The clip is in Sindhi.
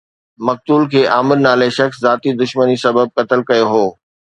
مقتول کي عامر نالي شخص ذاتي دشمني سبب قتل ڪيو هو